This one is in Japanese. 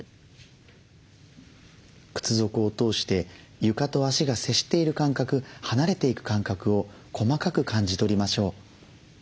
靴底を通して床と足が接している感覚離れていく感覚を細かく感じ取りましょう。